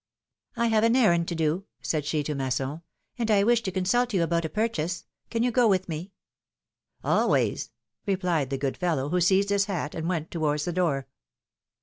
I have an errand to do," said she to Masson, and I wish to consult you about a purchase. Can you go with me?" ^^Always!" replied the good fellow, who seized his hat and went towards the door. 248 philom^:ne's marriages.